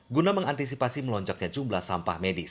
guna mengantisipasi melonjaknya jumlah sampah medis